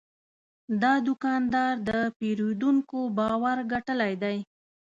دا دوکاندار د پیرودونکو باور ګټلی دی.